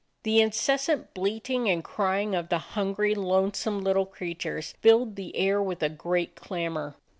The incessant bleating and crying of the hungry, lonesome little creatures filled the air with a great clamor.